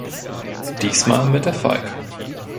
Diesmal mit Erfolg.